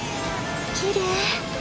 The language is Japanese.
きれい。